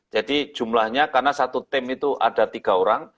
jadi jumlahnya karena satu tim itu ada tiga orang